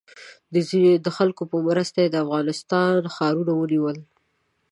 د خلکو په مرسته یې د افغانستان ښارونه ونیول.